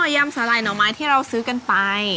ยำสาหร่ายหน่อไม้ที่เราซื้อกันไป